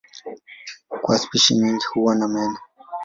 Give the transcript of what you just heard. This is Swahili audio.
Kwa spishi nyingi huwa na meno.